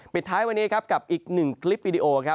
ปิดท้ายวันนี้กับอีกหนึ่งคลิปวีดีโอ